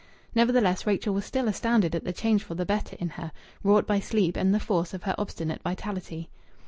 Nevertheless, Rachel was still astounded at the change for the better in her, wrought by sleep and the force of her obstinate vitality.